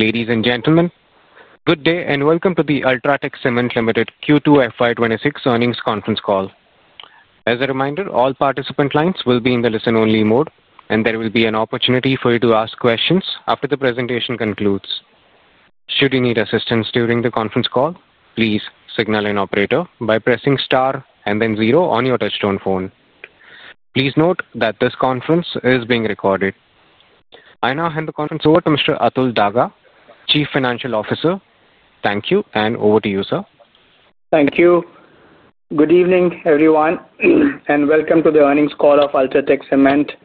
Ladies and gentlemen, good day and welcome to the India Cements Limited Q2 FY 2026 earnings conference call. As a reminder, all participant lines will be in the listen-only mode, and there will be an opportunity for you to ask questions after the presentation concludes. Should you need assistance during the conference call, please signal an operator by pressing star and then zero on your touchtone phone. Please note that this conference is being recorded. I now hand the conference over to Mr. Atul Daga, Chief Financial Officer. Thank you, and over to you, sir. Thank you. Good evening, everyone, and welcome to the earnings call of India Cements Limited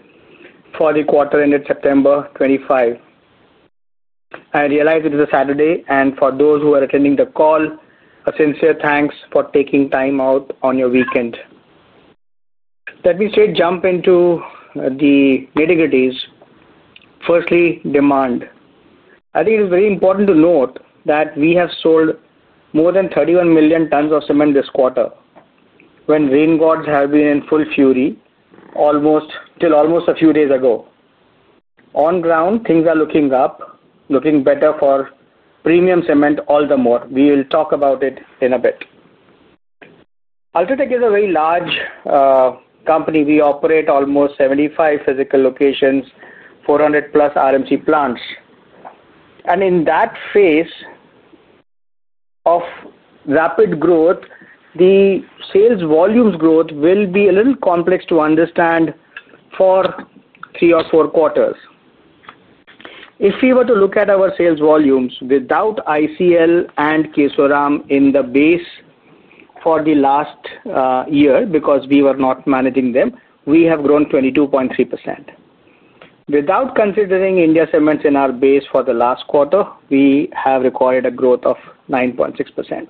for the quarter ended September 25. I realize it is a Saturday, and for those who are attending the call, a sincere thanks for taking time out on your weekend. Let me straight jump into the nitty-gritty. Firstly, demand. I think it is very important to note that we have sold more than 31 million tons of cement this quarter when rain gods have been in full fury almost till almost a few days ago. On ground, things are looking up, looking better for premium cement all the more. We will talk about it in a bit. India Cements Limited is a very large company. We operate almost 75 physical locations, 400-plus RMC plants. In that phase of rapid growth, the sales volumes growth will be a little complex to understand for three or four quarters. If we were to look at our sales volumes without UltraTech Cement Limited and Kesoram Industries Limited in the base for the last year, because we were not managing them, we have grown 22.3%. Without considering UltraTech Cement in our base for the last quarter, we have recorded a growth of 9.6%.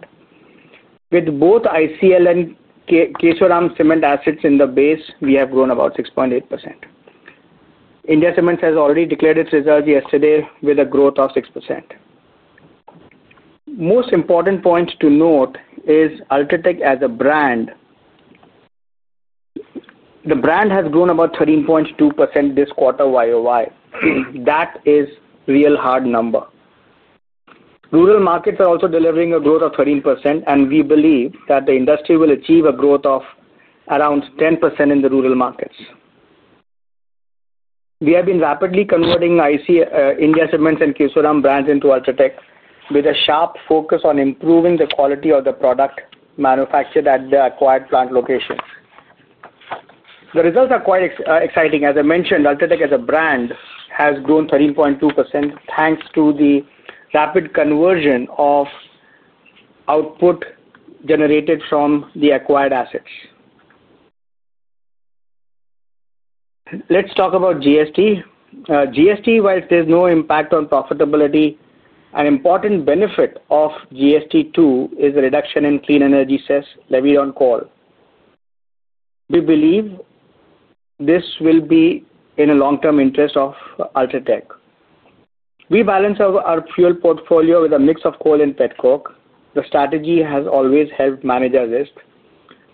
With both UltraTech Cement and Kesoram Industries Limited cement assets in the base, we have grown about 6.8%. UltraTech Cement has already declared its results yesterday with a growth of 6%. Most important points to note is India Cements Limited as a brand. The brand has grown about 13.2% this quarter YOY. That is a real hard number. Rural markets are also delivering a growth of 13%, and we believe that the industry will achieve a growth of around 10% in the rural markets. We have been rapidly converting UltraTech Cement and Kesoram Industries Limited brands into India Cements Limited with a sharp focus on improving the quality of the product manufactured at the acquired plant locations. The results are quite exciting. As I mentioned, India Cements Limited as a brand has grown 13.2% thanks to the rapid conversion of output generated from the acquired assets. Let's talk about GST. GST, while there's no impact on profitability, an important benefit of GST too is the reduction in clean energy sales levied on call. We believe this will be in the long-term interest of India Cements Limited. We balance our fuel portfolio with a mix of coal and petcoke. The strategy has always helped manage our risk.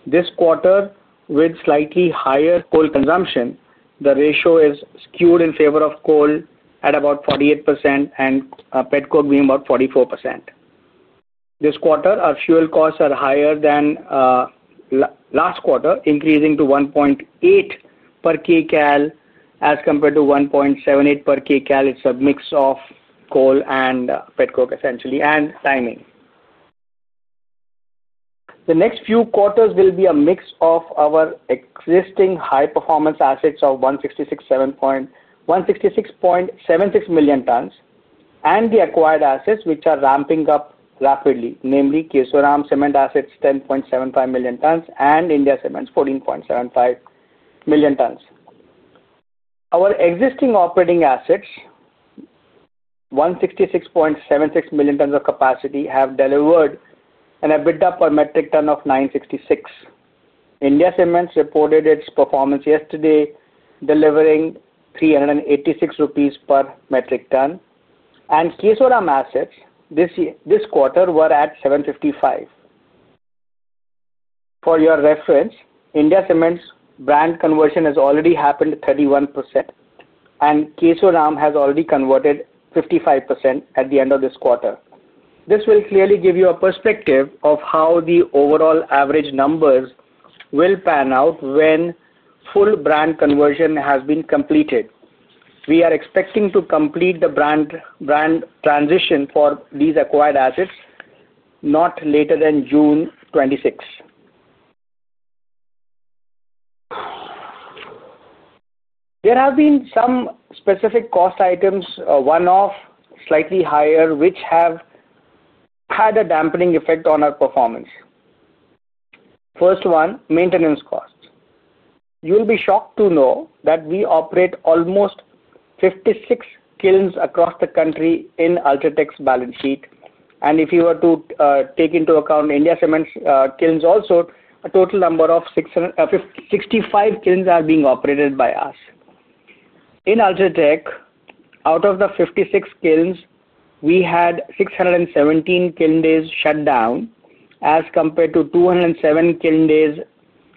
This quarter, with slightly higher coal consumption, the ratio is skewed in favor of coal at about 48% and petcoke being about 44%. This quarter, our fuel costs are higher than last quarter, increasing to 1.80 per Kcal as compared to 1.78 per Kcal. It's a mix of coal and petcoke, essentially, and timing. The next few quarters will be a mix of our existing high-performance assets of 166.76 million tons and the acquired assets, which are ramping up rapidly, namely Kesoram cement assets 10.75 million tons and India Cements 14.75 million tons. Our existing operating assets, 166.76 million tons of capacity, have delivered and have built up a metric ton of 966. India Cements reported its performance yesterday, delivering 386 rupees per metric ton, and Kesoram assets this quarter were at 755. For your reference, India Cements' brand conversion has already happened 31%, and Kesoram has already converted 55% at the end of this quarter. This will clearly give you a perspective of how the overall average numbers will pan out when full brand conversion has been completed. We are expecting to complete the brand transition for these acquired assets not later than June 2026. There have been some specific cost items, one-off, slightly higher, which have had a dampening effect on our performance. First one, maintenance costs. You will be shocked to know that we operate almost 56 kilns across the country in India Cements' balance sheet. If you were to take into account Kesoram's kilns also, a total number of 65 kilns are being operated by us. In India Cements, out of the 56 kilns, we had 617 kiln days shut down as compared to 207 kiln days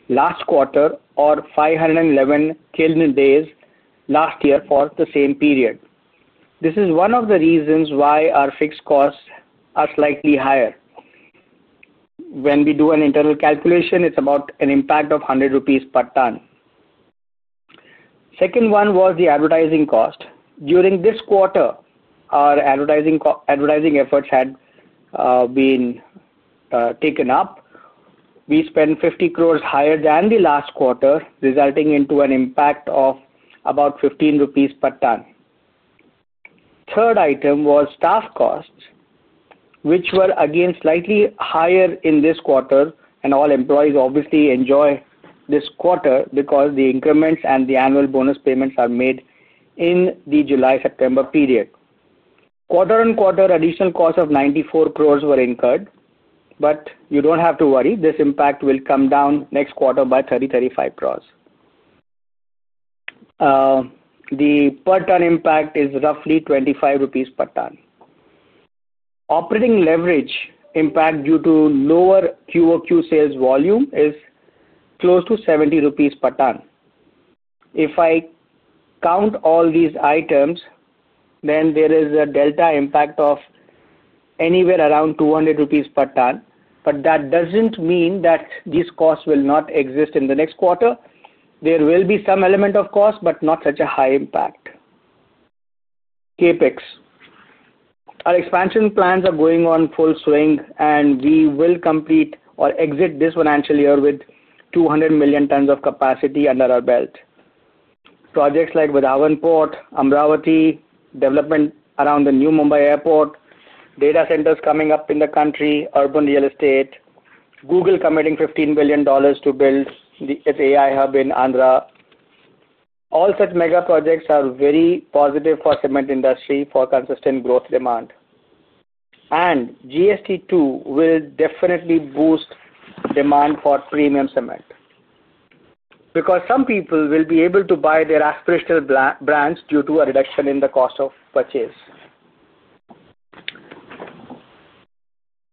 last quarter or 511 kiln days last year for the same period. This is one of the reasons why our fixed costs are slightly higher. When we do an internal calculation, it's about an impact of 100 rupees per ton. Second one was the advertising cost. During this quarter, our advertising efforts had been taken up. We spent 50 crores higher than the last quarter, resulting in an impact of about 15 rupees per ton. Third item was staff costs, which were, again, slightly higher in this quarter, and all employees obviously enjoy this quarter because the increments and the annual bonus payments are made in the July-September period. Quarter-on-quarter additional costs of 94 crores were incurred, but you don't have to worry. This impact will come down next quarter by 30, 35 crores. The per ton impact is roughly 25 rupees per ton. Operating leverage impact due to lower QOQ sales volume is close to 70 rupees per ton. If I count all these items, then there is a delta impact of anywhere around 200 rupees per ton. That doesn't mean that these costs will not exist in the next quarter. There will be some element of cost, but not such a high impact. Capex. Our expansion plans are going on full swing, and we will complete or exit this financial year with 200 million tons of capacity under our belt. Projects like Wedawan Port, Amravati, development around the new Navi Mumbai airport, data centers coming up in the country, urban real estate, Google committing INR 15 billion to build its AI hub in Andhra Pradesh—all such mega projects are very positive for the cement industry for consistent growth demand. GST too will definitely boost demand for premium cement because some people will be able to buy their aspirational brands due to a reduction in the cost of purchase.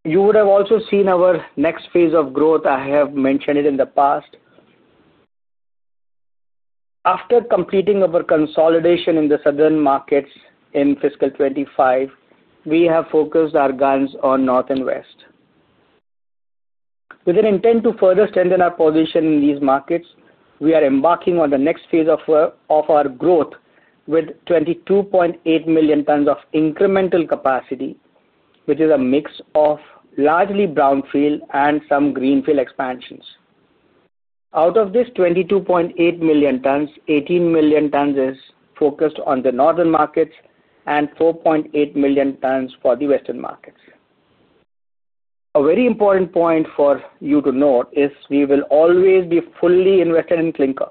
You would have also seen our next phase of growth. I have mentioned it in the past. After completing our consolidation in the southern markets in fiscal 2025, we have focused our guns on North India and West India. With an intent to further strengthen our position in these markets, we are embarking on the next phase of our growth with 22.8 million tons of incremental capacity, which is a mix of largely brownfield and some greenfield expansions. Out of this 22.8 million tons, 18 million tons is focused on the northern markets and 4.8 million tons for the western markets. A very important point for you to note is we will always be fully invested in clinker.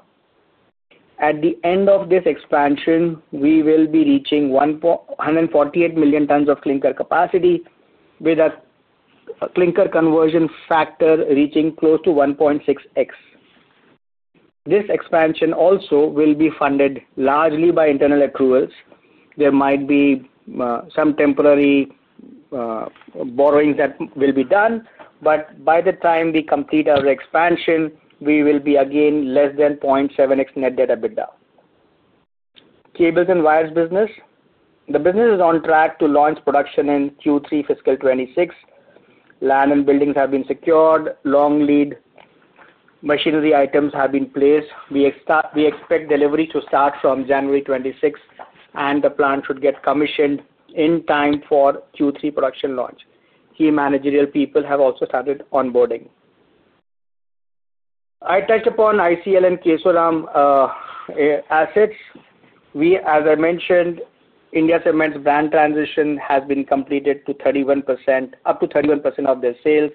At the end of this expansion, we will be reaching 148 million tons of clinker capacity with a clinker conversion factor reaching close to 1.6x. This expansion also will be funded largely by internal accruals. There might be some temporary borrowings that will be done, but by the time we complete our expansion, we will be again less than 0.7x net debt to EBITDA. Cables and wires business. The business is on track to launch production in Q3 fiscal 2026. Land and buildings have been secured. Long lead machinery items have been placed. We expect delivery to start from January 2026, and the plant should get commissioned in time for Q3 production launch. Key managerial people have also started onboarding. I touched upon ICL and Kesoram assets. We, as I mentioned, India Cements' brand transition has been completed to 31% of their sales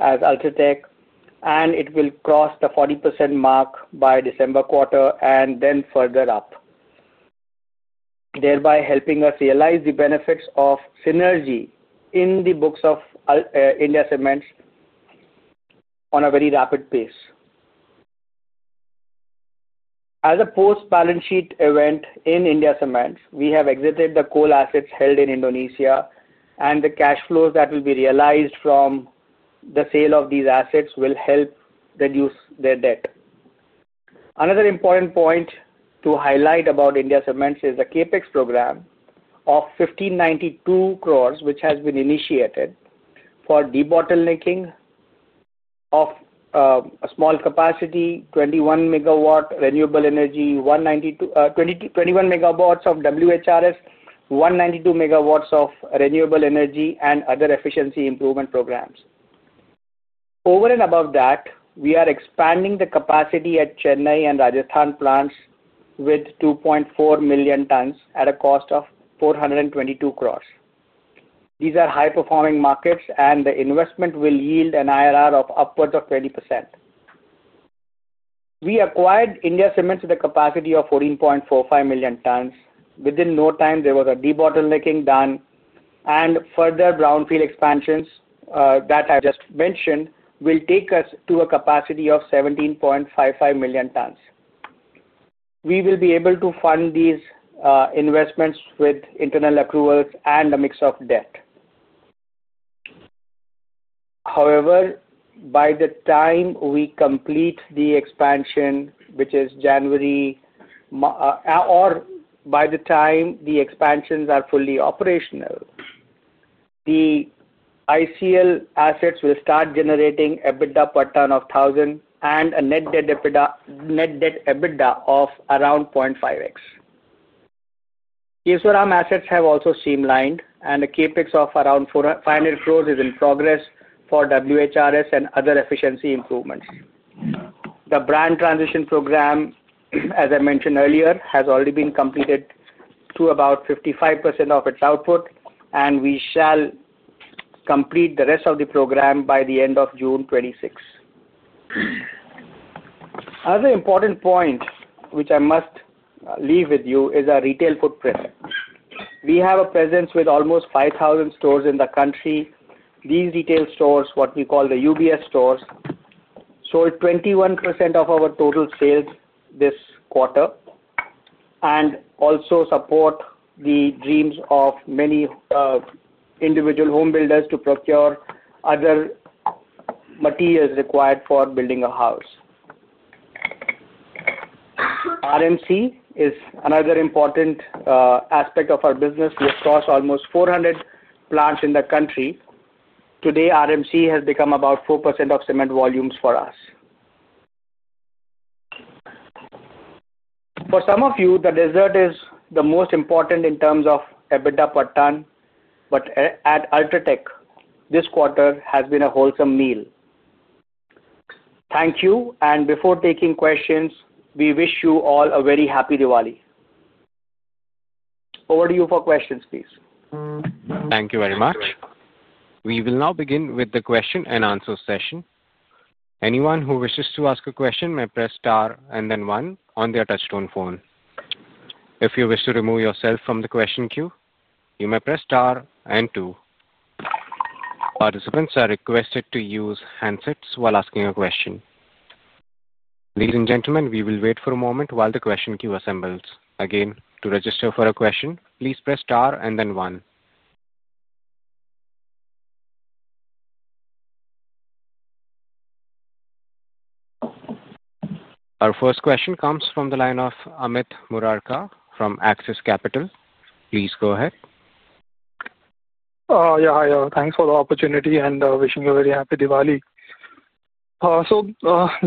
as UltraTech, and it will cross the 40% mark by December quarter and then further up, thereby helping us realize the benefits of synergy in the books of India Cements on a very rapid pace. As a post-balance sheet event in India Cements, we have exited the coal assets held in Indonesia, and the cash flows that will be realized from the sale of these assets will help reduce their debt. Another important point to highlight about India Cements is the Capex program of 1,592 crores, which has been initiated for debottlenecking of a small capacity, 21 megawatt renewable energy, 21 MW of WHRS, 192 MW of renewable energy, and other efficiency improvement programs. Over and above that, we are expanding the capacity at Chennai and Rajasthan plants with 2.4 million tons at a cost of 422 crores. These are high-performing markets, and the investment will yield an IRR of upwards of 20%. We acquired India Cements with a capacity of 14.45 million tons. Within no time, there was a debottlenecking done, and further brownfield expansions that I just mentioned will take us to a capacity of 17.55 million tons. We will be able to fund these investments with internal accruals and a mix of debt. However, by the time we complete the expansion, which is January, or by the time the expansions are fully operational, the ICL assets will start generating EBITDA per ton of 1,000 and a net debt to EBITDA of around 0.5x. Kesoram assets have also streamlined, and a Capex of around 500 crores is in progress for WHRS and other efficiency improvements. The brand transition program, as I mentioned earlier, has already been completed to about 55% of its output, and we shall complete the rest of the program by the end of June 2026. Another important point which I must leave with you is our retail footprint. We have a presence with almost 5,000 stores in the country. These retail stores, what we call the UBS stores, sold 21% of our total sales this quarter and also support the dreams of many individual home builders to procure other materials required for building a house. RMC is another important aspect of our business. We have crossed almost 400 plants in the country. Today, RMC has become about 4% of cement volumes for us. For some of you, the desert is the most important in terms of EBITDA per ton, but at India Cements, this quarter has been a wholesome meal. Thank you. Before taking questions, we wish you all a very happy Diwali. Over to you for questions, please. Thank you very much. We will now begin with the question-and-answer session. Anyone who wishes to ask a question may press star and then one on their touchtone phone. If you wish to remove yourself from the question queue, you may press star and two. Participants are requested to use handsets while asking a question. Ladies and gentlemen, we will wait for a moment while the question queue assembles. Again, to register for a question, please press star and then one. Our first question comes from the line of Amit Murarka from Axis Capital. Please go ahead. Yeah, hi. Thanks for the opportunity and wishing you a very happy Diwali.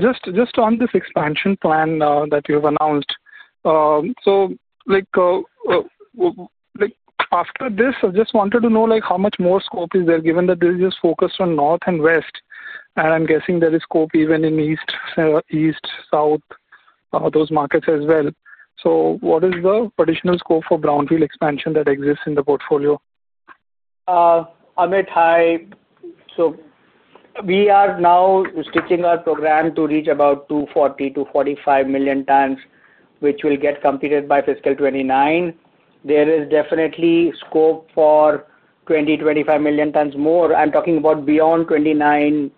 Just on this expansion plan that you've announced, after this, I just wanted to know how much more scope is there given that this is just focused on North and West, and I'm guessing there is scope even in East, South, those markets as well. What is the additional scope for brownfield expansion that exists in the portfolio? Amit, hi. We are now stitching our program to reach about 24 million-25 million tons, which will get completed by fiscal 2029. There is definitely scope for 20 million-25 million tons more. I'm talking about beyond 2029,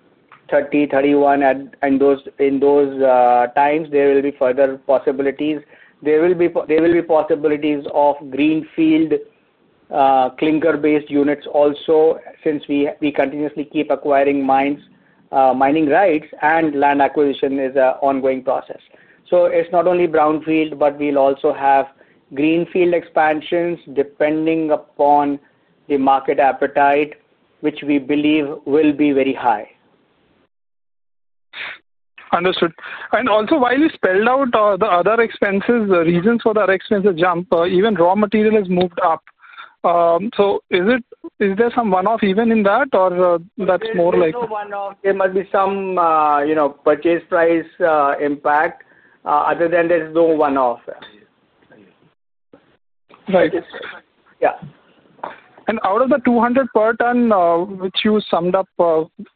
2030, 2031, and in those times, there will be further possibilities. There will be possibilities of greenfield clinker-based units also since we continuously keep acquiring mining rights, and land acquisition is an ongoing process. It's not only brownfield, but we'll also have greenfield expansions depending upon the market appetite, which we believe will be very high. Understood. While you spelled out the other expenses, the reasons for the other expenses jump, even raw material has moved up. Is there some one-off event in that, or is that more like? There's no one-off. There must be some, you know, purchase price impact. Other than that, there's no one-off. Right. Out of the 200 per ton, which you summed up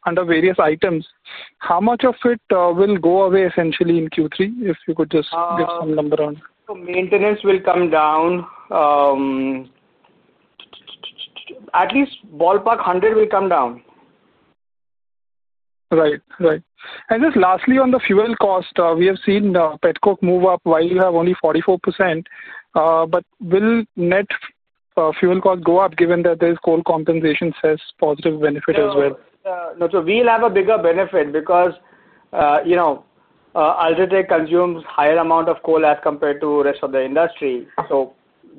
under various items, how much of it will go away essentially in Q3? If you could just give some number on that. Maintenance will come down. At least ballpark 100 will come down. Right. Right. Just lastly, on the fuel cost, we have seen petcoke move up while you have only 44%. Will net fuel cost go up given that there's coal compensation as a positive benefit as well? No, we'll have a bigger benefit because India Cements Limited consumes a higher amount of coal as compared to the rest of the industry.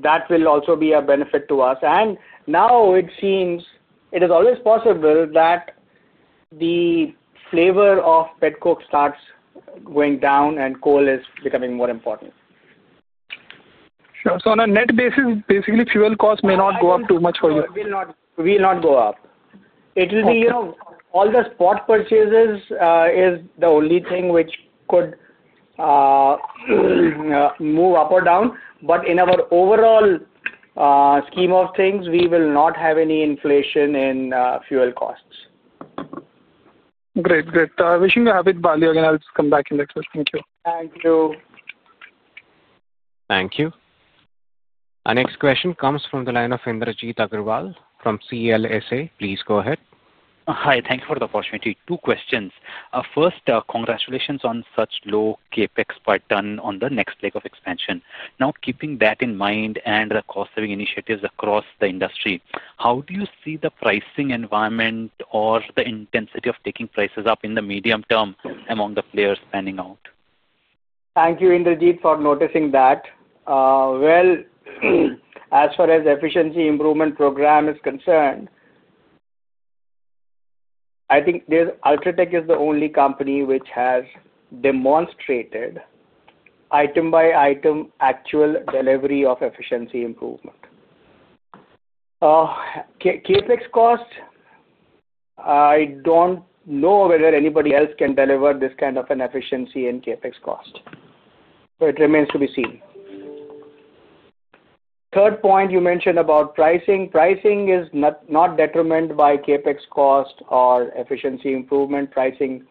That will also be a benefit to us. It seems it is always possible that the flavor of petcoke starts going down and coal is becoming more important. Sure. On a net basis, basically, fuel costs may not go up too much for you. No, it will not go up. All the spot purchases is the only thing which could move up or down, but in our overall scheme of things, we will not have any inflation in fuel costs. Great. Great. Wishing you a happy Diwali again. I'll just come back in the next week. Thank you. Thank you. Thank you. Our next question comes from the line of Indrajit Agarwal from CLSA. Please go ahead. Hi. Thank you for the opportunity. Two questions. First, congratulations on such low CapEx per ton on the next leg of expansion. Now, keeping that in mind and the cost-saving initiatives across the industry, how do you see the pricing environment or the intensity of taking prices up in the medium term among the players panning out? Thank you, Inderjeet, for noticing that. As far as efficiency improvement program is concerned, I think India Cements Limited is the only company which has demonstrated item-by-item actual delivery of efficiency improvement. Capex cost, I don't know whether anybody else can deliver this kind of an efficiency in Capex cost. It remains to be seen. Third point you mentioned about pricing. Pricing is not detrimented by Capex cost or efficiency improvement pricing.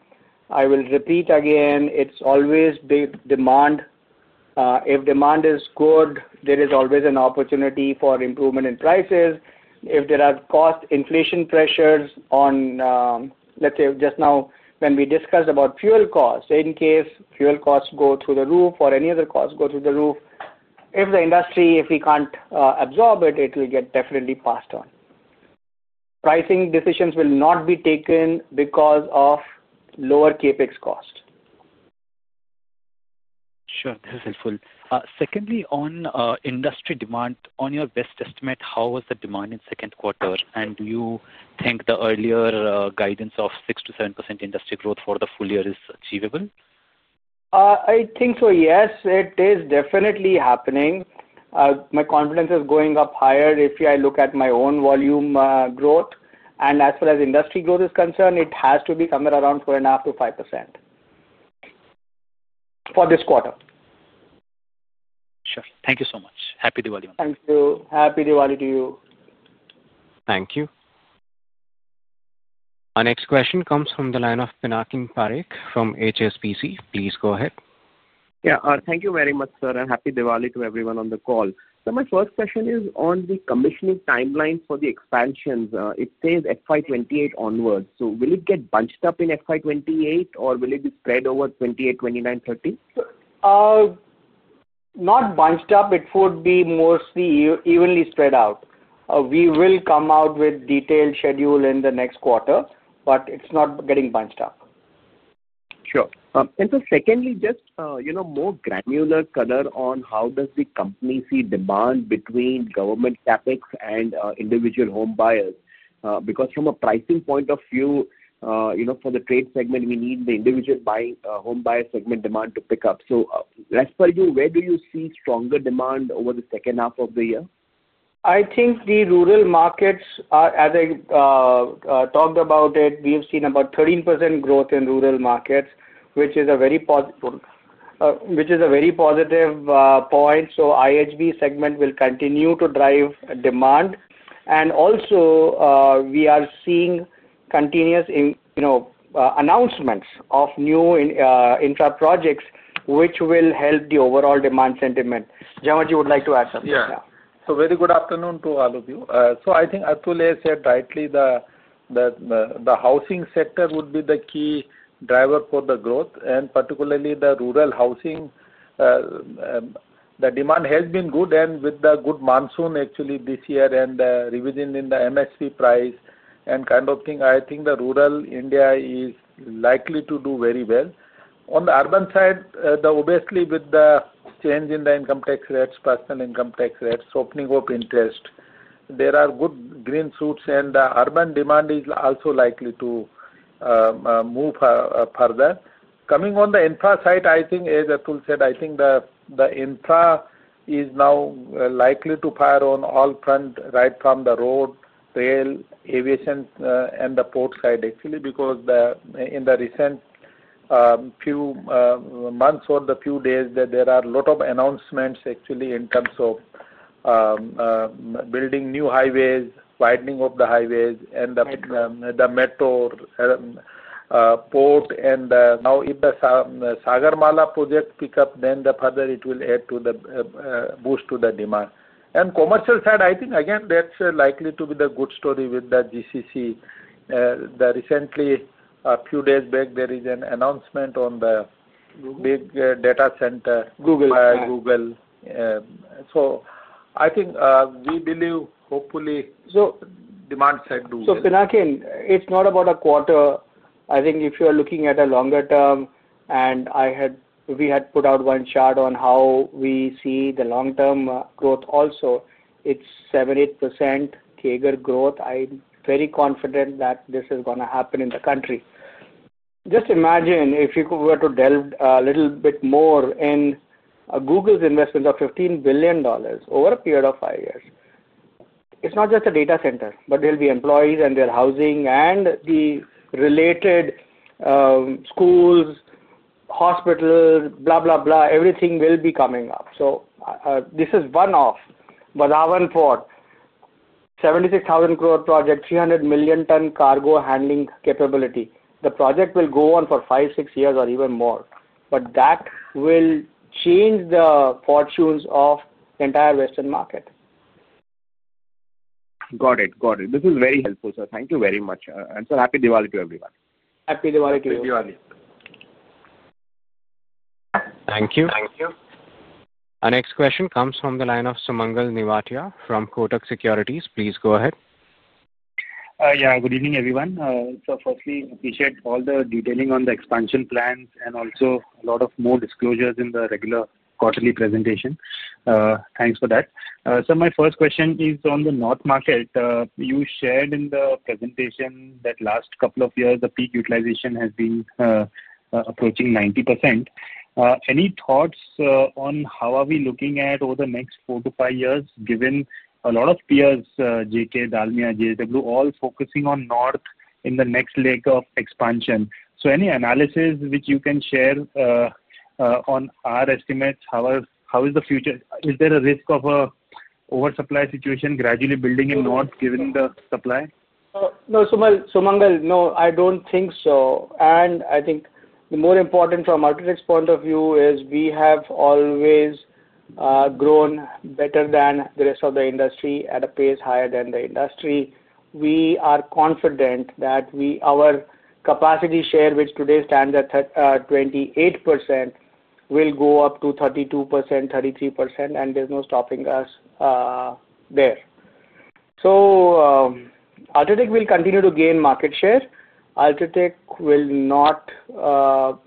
I will repeat again, it's always demand. If demand is good, there is always an opportunity for improvement in prices. If there are cost inflation pressures on, let's say, just now when we discussed about fuel costs, in case fuel costs go through the roof or any other costs go through the roof, if the industry, if we can't absorb it, it will get definitely passed on. Pricing decisions will not be taken because of lower Capex cost. Sure. That's helpful. Secondly, on industry demand, on your best estimate, how was the demand in the second quarter? Do you think the earlier guidance of 6%-7% industry growth for the full year is achievable? I think so, yes. It is definitely happening. My confidence is going up higher if I look at my own volume growth. As far as industry growth is concerned, it has to be somewhere around 4.5%-5% for this quarter. Sure. Thank you so much. Happy Diwali on that. Thank you. Happy Diwali to you. Thank you. Our next question comes from the line of Pinar Kumparik from HSBC. Please go ahead. Thank you very much, sir, and happy Diwali to everyone on the call. My first question is on the commissioning timeline for the expansions. It says FY 2028 onwards. Will it get bunched up in FY 2028, or will it be spread over 2028, 2029, 2030? Not bunched up. It would be mostly evenly spread out. We will come out with a detailed schedule in the next quarter, but it's not getting bunched up. Sure. Secondly, just more granular color on how does the company see demand between government Capex and individual home buyers? From a pricing point of view, for the trade segment, we need the individual home buyer segment demand to pick up. As per you, where do you see stronger demand over the second half of the year? I think the rural markets, as I talked about it, we have seen about 13% growth in rural markets, which is a very positive point. The IHB segment will continue to drive demand. We are seeing continuous announcements of new intra-projects, which will help the overall demand sentiment. Jamal Ji, would you like to add something? Yeah. Very good afternoon to all of you. I think Atul has said rightly that the housing sector would be the key driver for the growth, particularly the rural housing. The demand has been good, and with the good monsoon this year and the revision in the MSP price and kind of thing, I think rural India is likely to do very well. On the urban side, obviously, with the change in the income tax rates, personal income tax rates, opening of interest, there are good green shoots, and the urban demand is also likely to move further. Coming on the infra side, I think, as Atul said, the infra is now likely to fire on all fronts, right from the road, rail, aviation, and the port side, because in the recent few months or the few days there are a lot of announcements in terms of building new highways, widening of the highways, and the metro port. If the Sagarmala project picks up, then further it will add to the boost to the demand. On the commercial side, I think that's likely to be the good story with the GCC. Recently, a few days back, there is an announcement on the big data center. Google. By Google. I think we believe, hopefully, demand side do. Pinar Kum, it's not about a quarter. I think if you are looking at a longer term, and we had put out one chart on how we see the long-term growth also, it's 7%, 8% CAGR growth. I'm very confident that this is going to happen in the country. Just imagine if you were to delve a little bit more in Google's investments of INR 15 billion over a period of five years. It's not just a data center, but there'll be employees and their housing and the related schools, hospitals, blah, blah, blah. Everything will be coming up. This is one-off. Wedawan Port, 76,000-crew project, 300 million-ton cargo handling capability. The project will go on for five, six years, or even more. That will change the fortunes of the entire Western market. Got it. Got it. This is very helpful, sir. Thank you very much. Happy Diwali to everyone. Happy Diwali to you. Happy Diwali. Thank you. Thank you. Our next question comes from the line of Sumangal Nevatia from Kotak Securities. Please go ahead. Yeah. Good evening, everyone. Firstly, I appreciate all the detailing on the expansion plans and also a lot more disclosures in the regular quarterly presentation. Thanks for that. My first question is on the North market. You shared in the presentation that the last couple of years, the peak utilization has been approaching 90%. Any thoughts on how we are looking at over the next four to five years, given a lot of peers, JK, Dalmia, JSW, all focusing on North in the next leg of expansion? Any analysis which you can share on our estimates? How is the future? Is there a risk of an oversupply situation gradually building in North given the supply? No, Sumangal, no, I don't think so. I think the more important from India Cements Limited's point of view is we have always grown better than the rest of the industry at a pace higher than the industry. We are confident that our capacity share, which today stands at 28%, will go up to 32%, 33%, and there's no stopping us there. India Cements Limited will continue to gain market share. India Cements Limited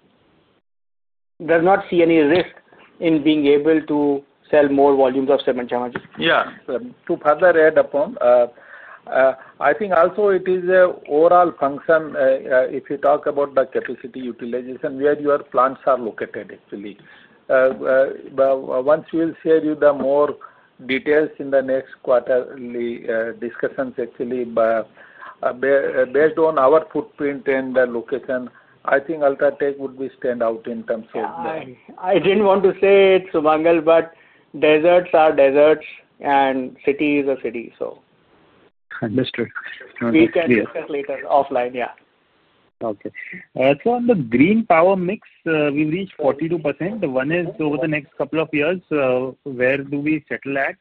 does not see any risk in being able to sell more volumes of cement. Yeah. To further add upon, I think also it is an overall function if you talk about the capacity utilization where your plants are located, actually. Once we'll share you the more details in the next quarterly discussions, actually. Based on our footprint and the location, I think India Cements Limited would stand out in terms of. I didn't want to say it, Sumangal, but deserts are deserts and cities are cities. Understood. We can discuss later offline, yeah. Okay. On the green power mix, we've reached 42%. Over the next couple of years, where do we settle at?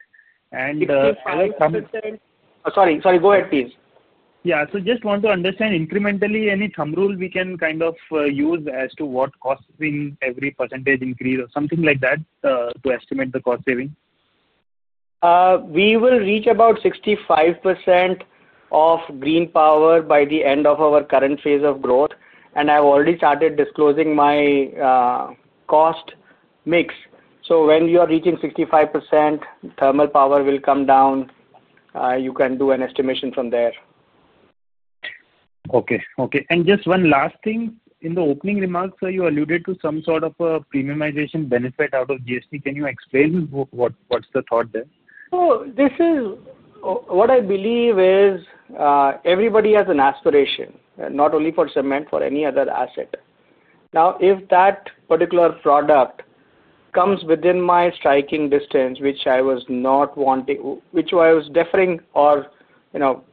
If you have a thumb. Sorry. Go ahead, please. Yeah, just want to understand incrementally any thumb rule we can kind of use as to what cost saving every % increase or something like that to estimate the cost saving? We will reach about 65% of green power by the end of our current phase of growth. I've already started disclosing my cost mix. When you are reaching 65%, thermal power will come down. You can do an estimation from there. Okay. Okay. Just one last thing. In the opening remarks, you alluded to some sort of a premiumization benefit out of GST. Can you explain what's the thought there? Everybody has an aspiration, not only for cement, for any other asset. If that particular product comes within my striking distance, which I was not wanting, which I was deferring or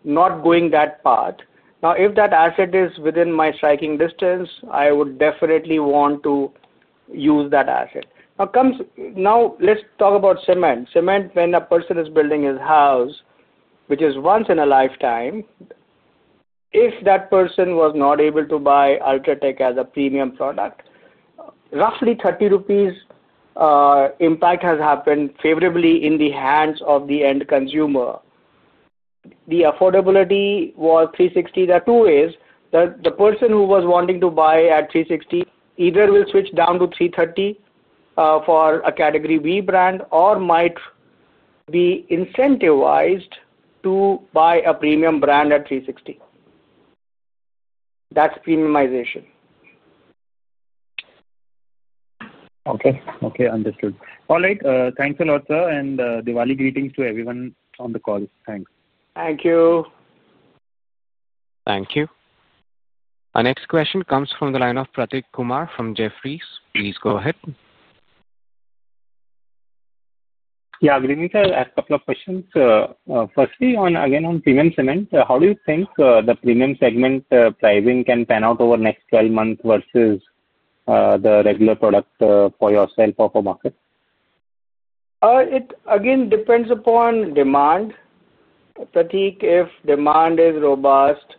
not going that path, if that asset is within my striking distance, I would definitely want to use that asset. Let's talk about cement. Cement, when a person is building his house, which is once in a lifetime, if that person was not able to buy UltraTech as a premium product, roughly 30 rupees impact has happened favorably in the hands of the end consumer. The affordability was 360. The two is that the person who was wanting to buy at 360 either will switch down to 330 for a category B brand or might be incentivized to buy a premium brand at 360. That's premiumization. Okay. Okay. Understood. All right. Thanks a lot, sir. Diwali greetings to everyone on the call. Thanks. Thank you. Thank you. Our next question comes from the line of Prateek Kumar from Jefferies. Please go ahead. Yeah. Greetings. I'll ask a couple of questions. Firstly, again, on premium cement, how do you think the premium segment pricing can pan out over the next 12 months versus the regular product for yourself or for market? It again depends upon demand. Prateek, if demand is robust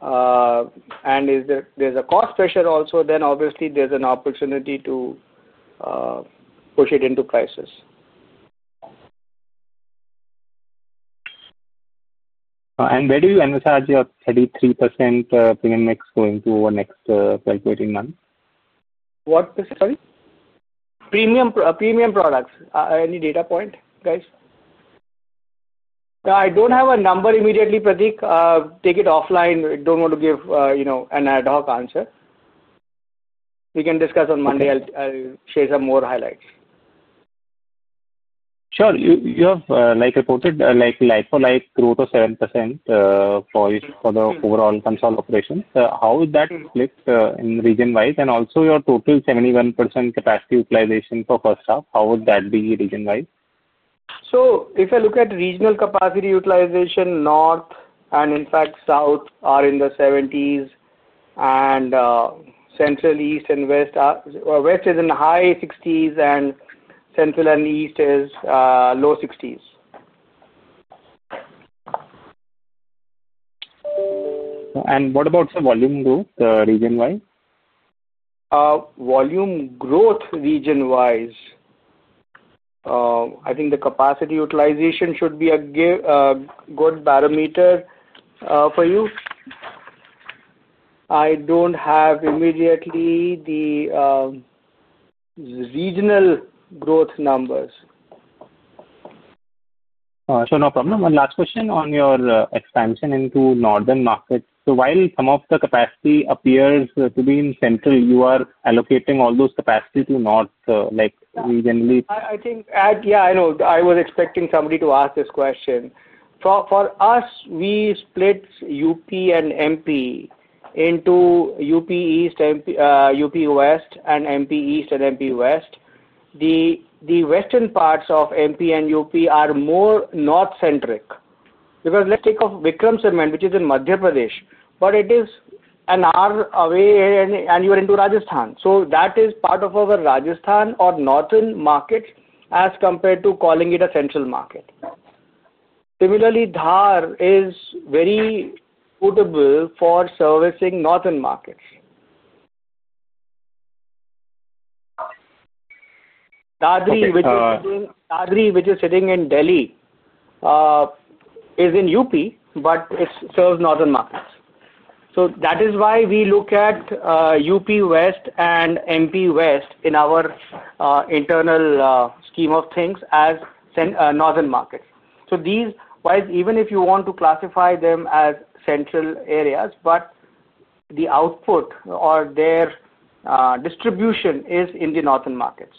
and there's a cost pressure also, then obviously there's an opportunity to push it into prices. Where do you envisage your 33% premium mix going to over the next 12-18 months? What? Sorry? Premium products. Any data point, guys? No, I don't have a number immediately, Pratek. Take it offline. I don't want to give an ad hoc answer. We can discuss on Monday. I'll share some more highlights. Sure. You have reported like-for-like growth of 7% for the overall cement operations. How would that reflect in region-wise? Also, your total 71% capacity utilization for the first half, how would that be region-wise? If I look at regional capacity utilization, North and in fact, South are in the 70s, and Central, East, and West is in the high 60s, and Central and East is low 60s. What about the volume growth region-wise? Volume growth region-wise, I think the capacity utilization should be a good barometer for you. I don't have immediately the regional growth numbers. Sure. No problem. Last question on your expansion into northern markets. While some of the capacity appears to be in Central, you are allocating all those capacity to North regionally. Yeah, I know. I was expecting somebody to ask this question. For us, we split UP and MP into UP East, UP West, and MP East and MP West. The western parts of MP and UP are more North-centric because let's take off Vikram Cement, which is in Madhya Pradesh and are away, and you're into Rajasthan. That is part of our Rajasthan or northern market as compared to calling it a Central market. Similarly, Dhar is very suitable for servicing northern markets. Dadri, which is sitting in Delhi, is in UP, but it serves northern markets. That is why we look at UP West and MP West in our internal scheme of things as northern markets. These wise, even if you want to classify them as Central areas, the output or their distribution is in the northern markets.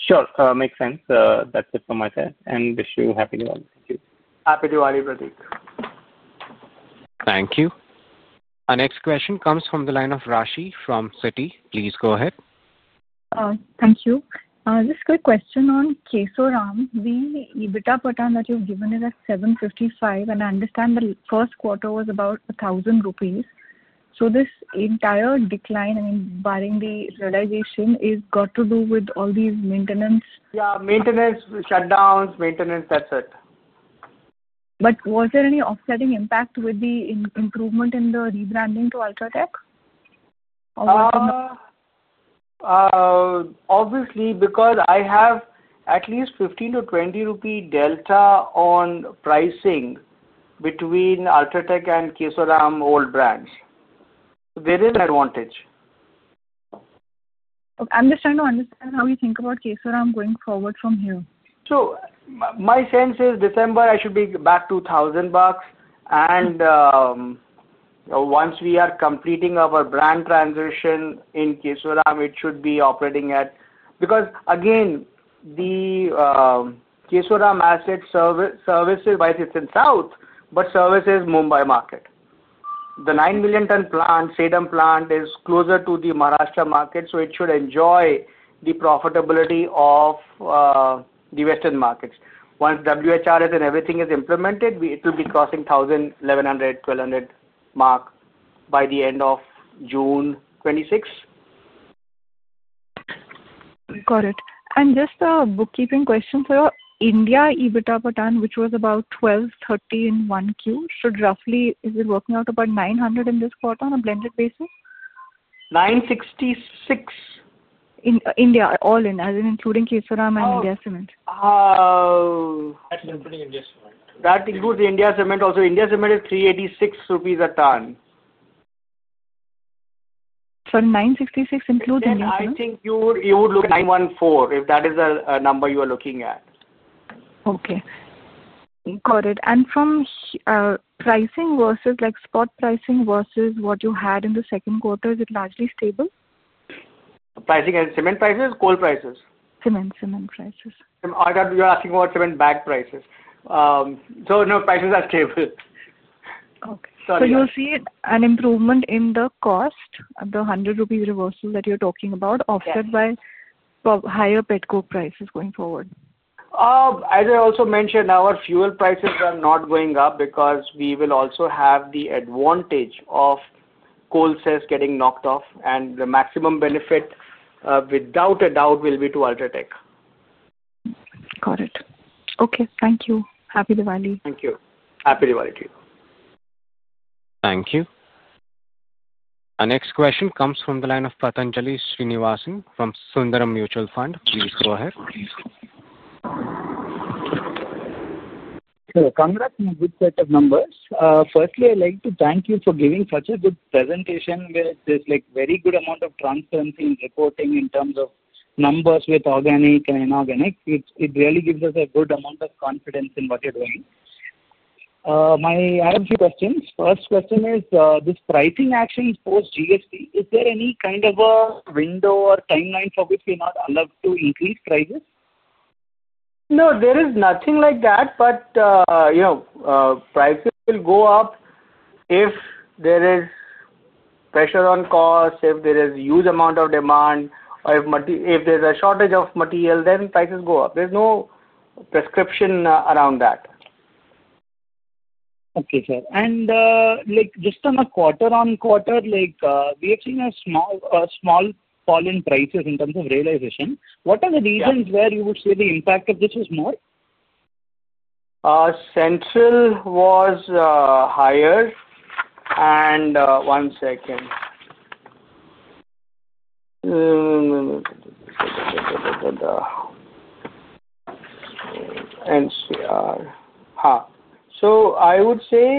Sure. Makes sense. That's it from my side. Wish you happy Diwali. Thank you. Happy Diwali, Prateek. Thank you. Our next question comes from the line of Rashi from Citi. Please go ahead. Thank you. Just a quick question on Kesoram. The bid up per ton that you've given is at 755, and I understand the first quarter was about 1,000 rupees. This entire decline, barring the realization, has got to do with all these maintenance. Yeah, maintenance shutdowns, maintenance, that's it. Was there any offsetting impact with the improvement in the rebranding to India Cements? Obviously, because I have at least 15-20 rupee delta on pricing between UltraTech and Kesoram old brands. They're in advantage. Okay. I'm just trying to understand how you think about Kesoram going forward from here. My sense is December, I should be back to INR 1,000. Once we are completing our brand transition in Kesoram, it should be operating at that level because, again, the Kesoram asset, services-wise, it's in South, but services Mumbai market. The 9 million-ton plant, Sedam plant, is closer to the Maharashtra market, so it should enjoy the profitability of the western markets. Once WHRS and everything is implemented, it'll be crossing 1,000, 1,100, 1,200 mark by the end of June 2026. Got it. Just a bookkeeping question for you. India bid up per ton, which was about 1,230 in Q1, should roughly, is it working out about 900 in this quarter on a blended basis? 966. India, all in, as in including Kesoram and India Cements? That's including India Cements. That includes India Cements also. India Cements is 386 rupees a ton. 966 includes India Cements? I think you would look at 914 if that is a number you are looking at. Got it. From pricing versus spot pricing versus what you had in the second quarter, is it largely stable? Pricing as in cement prices, coal prices? Cement, cement prices. You're asking about cement bag prices. No, prices are stable. You'll see an improvement in the cost of the 100 rupees reversal that you're talking about, offset by higher petcoke prices going forward? As I also mentioned, our fuel prices are not going up because we will also have the advantage of coal sales getting knocked off. The maximum benefit, without a doubt, will be to India Cements Limited. Got it. Okay. Thank you. Happy Diwali. Thank you. Happy Diwali to you. Thank you. Our next question comes from the line of Pathanjali Srinivasan from Sundaram Mutual Fund. Please go ahead. Congratulations on a good set of numbers. Firstly, I'd like to thank you for giving such a good presentation with this very good amount of transparency in reporting in terms of numbers with organic and inorganic. It really gives us a good amount of confidence in what you're doing. My RMC questions. First question is, this pricing action post-GST, is there any kind of a window or timeline for which we're not allowed to increase prices? No, there is nothing like that. Prices will go up if there is pressure on cost, if there is a huge amount of demand, or if there's a shortage of material, then prices go up. There's no prescription around that. Okay, sir. Just on a quarter-on-quarter, we have seen a small fall in prices in terms of realization. What are the reasons where you would say the impact of this is more? Central was higher. One second. NCR. I would say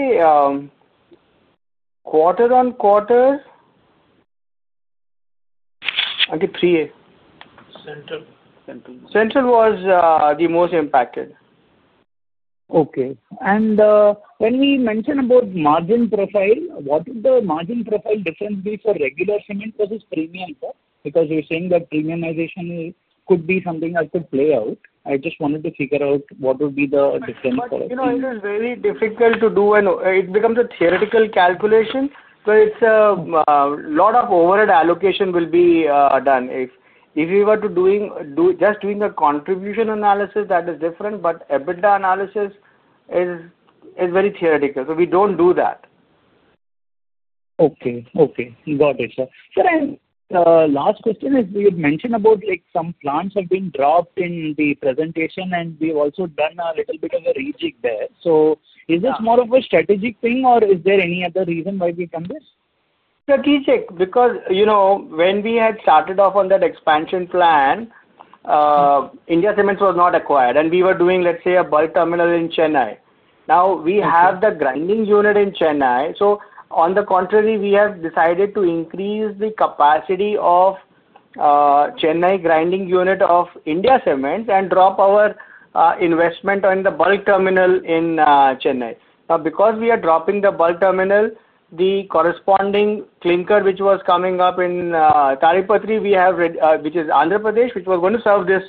quarter-on-quarter, 3A. Central. Central was the most impacted. Okay. When we mention margin profile, what would the margin profile difference be for regular cement versus premium? You're saying that premiumization could be something that could play out. I just wanted to figure out what would be the difference for it. It is very difficult to do, and it becomes a theoretical calculation because a lot of overhead allocation will be done. If we were to do just the contribution analysis, that is different, but a EBITDA analysis is very theoretical. We don't do that. Okay. Got it, sir. Sure. The last question is, you had mentioned about like some plants have been dropped in the presentation, and we've also done a little bit of a rejig there. Is this more of a strategic thing, or is there any other reason why we've done this? Strategic because you know when we had started off on that expansion plan, India Cements was not acquired, and we were doing, let's say, a bulk terminal in Chennai. Now, we have the grinding unit in Chennai. On the contrary, we have decided to increase the capacity of the Chennai grinding unit of India Cements and drop our investment on the bulk terminal in Chennai. Now, because we are dropping the bulk terminal, the corresponding clinker, which was coming up in Tadipatri, which is Andhra Pradesh, which was going to serve this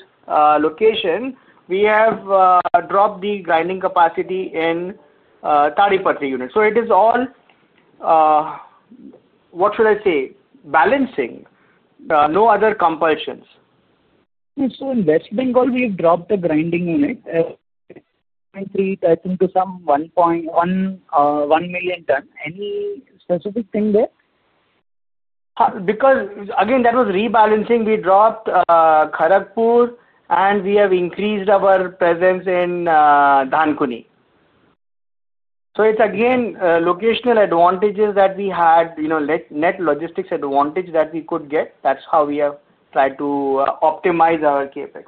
location, we have dropped the grinding capacity in the Tadipatri unit. It is all, what should I say, balancing. No other compulsions. In West Bengal, we have dropped the grinding unit to, I think, to some 1 million ton. Any specific thing there? Because, again, that was rebalancing. We dropped Kharagpur, and we have increased our presence in Dankuni. It's, again, locational advantages that we had, you know, net logistics advantage that we could get. That's how we have tried to optimize our Capex.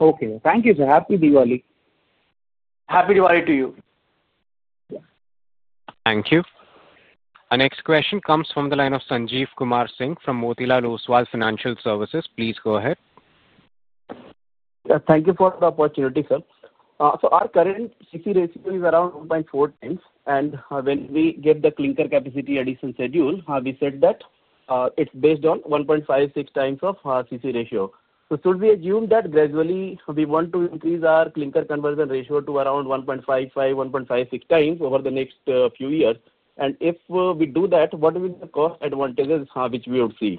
Okay. Thank you, sir. Happy Diwali. Happy Diwali to you. Thank you. Our next question comes from the line of Sanjeev Kumar Singh from Motilal Oswal Financial Services. Please go ahead. Thank you for the opportunity, sir. Our current CC ratio is around 1.4 times. When we get the clinker capacity addition schedule, we said that it's based on 1.56 times of CC ratio. Should we assume that gradually we want to increase our clinker conversion ratio to around 1.55, 1.56 times over the next few years? If we do that, what will be the cost advantages which we would see?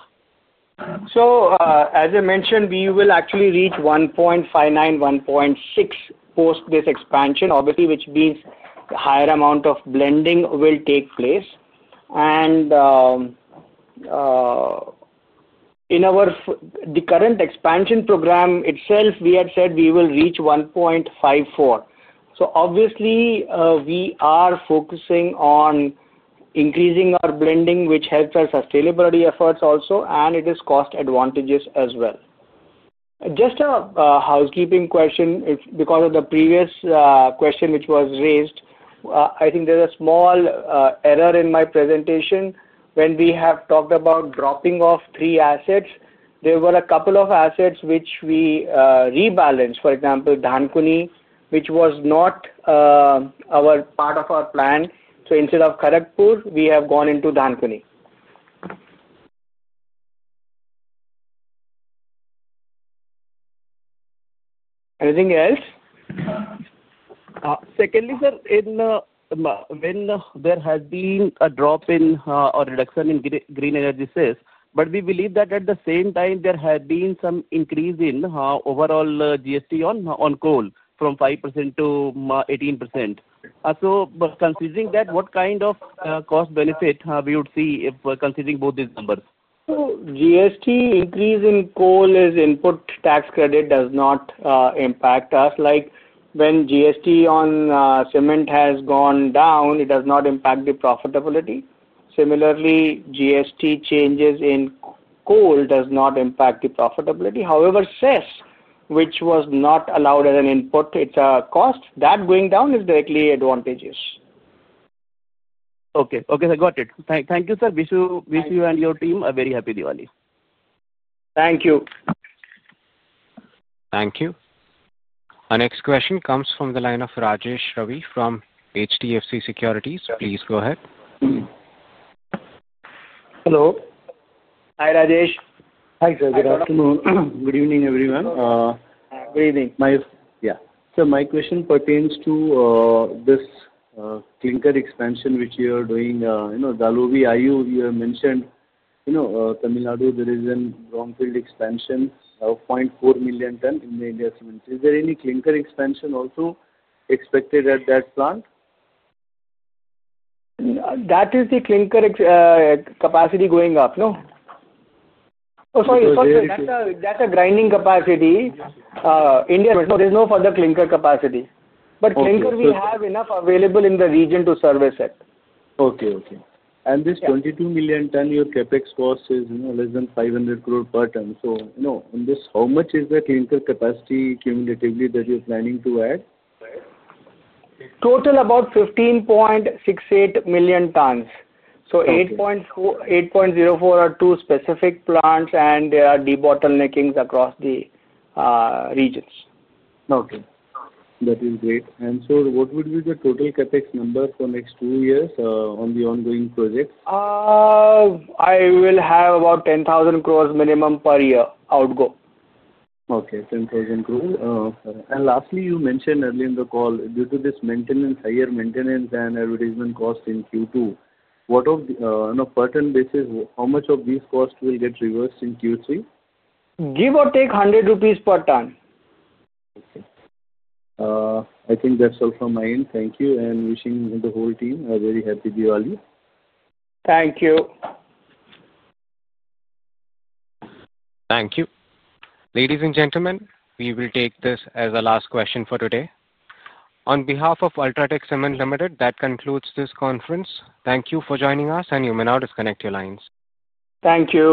As I mentioned, we will actually reach 1.59, 1.6 post this expansion, which means a higher amount of blending will take place. In the current expansion program itself, we had said we will reach 1.54. We are focusing on increasing our blending, which helps our sustainability efforts also, and it is cost advantageous as well. Just a housekeeping question. Because of the previous question which was raised, I think there's a small error in my presentation. When we have talked about dropping off three assets, there were a couple of assets which we rebalanced. For example, Dankuni, which was not part of our plan. Instead of Kharagpur, we have gone into Dankuni. Anything else? Secondly, sir, when there has been a drop in or reduction in green energy sales, we believe that at the same time, there has been some increase in overall GST on coal from 5% to 18%. Considering that, what kind of cost benefit would we see if we're considering both these numbers? GST increase in coal is input tax credit. It does not impact us. Like when GST on cement has gone down, it does not impact the profitability. Similarly, GST changes in coal do not impact the profitability. However, sales which was not allowed as an input, it's a cost. That going down is directly advantageous. Okay. Okay. I got it. Thank you, sir. Wish you and your team a very happy Diwali. Thank you. Thank you. Our next question comes from the line of Rajesh Ravi from HDFC Securities. Please go ahead. Hello. Hi, Rajesh. Hi, sir. Good afternoon. Good evening, everyone. Good evening. Yeah. My question pertains to this clinker expansion which you are doing. Dalavoi, ICL, you have mentioned, you know, Tamil Nadu, there is a brownfield expansion of 0.4 million ton in India Cements. Is there any clinker expansion also expected at that plant? That is the clinker capacity going up. No. Oh, sorry. That's a grinding capacity. There's no further clinker capacity, but clinker, we have enough available in the region to service it. Okay. Okay. This 22 million ton, your CapEx cost is less than 500 crore per ton. In this, how much is the clinker capacity cumulatively that you're planning to add? Total about 15.68 million tons. 8.04 are two specific plants, and there are debottleneckings across the regions. That is great. What would be the total Capex number for the next two years on the ongoing project? I will have about 10,000 crore minimum per year outgo. Okay. 10,000 crore. Lastly, you mentioned earlier in the call, due to this maintenance, higher maintenance and advertisement cost in Q2, on a per ton basis, how much of these costs will get reversed in Q3? Give or take 100 rupees per ton. I think that's all from my end. Thank you, and wishing the whole team a very happy Diwali. Thank you. Thank you. Ladies and gentlemen, we will take this as the last question for today. On behalf of India Cements Limited, that concludes this conference. Thank you for joining us, and you may now disconnect your lines. Thank you.